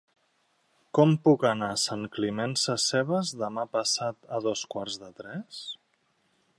Com puc anar a Sant Climent Sescebes demà passat a dos quarts de tres?